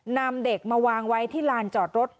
นำเด็กมาวางไว้ที่ลานจอดรถ